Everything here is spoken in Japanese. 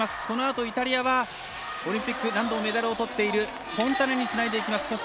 このあとイタリアはオリンピック何度もメダルをとっているフォンタナにつないでいきます。